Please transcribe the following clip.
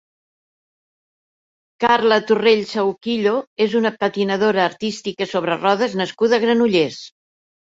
Carla Torrell Sahuquillo és una patinadora artística sobre rodes nascuda a Granollers.